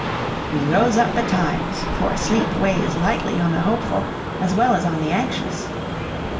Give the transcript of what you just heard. We rose up betimes, for sleep weighs lightly on the hopeful, as well as on the anxious.